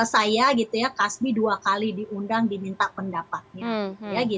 saya gitu ya kasbi dua kali diundang diminta pendapatnya